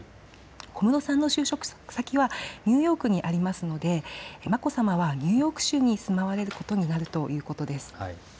小室さんの就職先はニューヨークにありますので眞子さまはニューヨーク州に住まわれることになるということです。